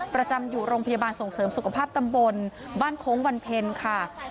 ประจำอยู่โรงพยาบาลส่งเสริมสุขภาพตำบลบ้านโค้งวันเพ็ญค่ะ